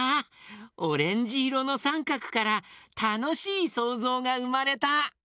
オレンジいろのさんかくからたのしいそうぞうがうまれた！